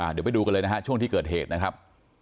เดี๋ยวไปดูกันเลยนะฮะช่วงที่เกิดเหตุนะครับ